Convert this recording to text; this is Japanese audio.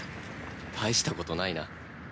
大したことないな。